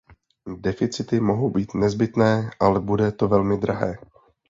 Deficity mohou být nezbytné, ale bude to velmi drahé.